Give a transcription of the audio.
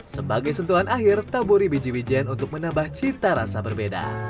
sebagai sentuhan akhir taburi biji wijen untuk menambah cita rasa berbeda